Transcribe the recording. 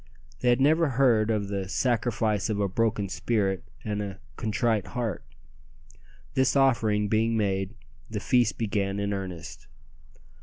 They had never heard of the "sacrifice of a broken spirit and a contrite heart." This offering being made, the feast began in earnest.